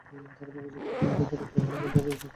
তাঁর প্রকাশিত ও পাণ্ডুলিপি আকারে বহু গ্রন্থ রয়েছে।